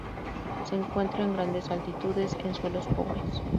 Se encuentra en grandes altitudes en suelos pobres.